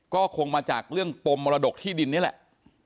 ก็คงมาจากเรื่องปมมรดกที่ดินนี่แหละ